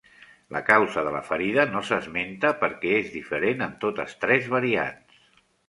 La causa de la ferida no s'esmenta perquè és diferent en totes tres variants.